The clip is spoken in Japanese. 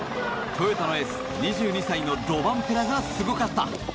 トヨタのエース、２２歳のロバンペラがすごかった。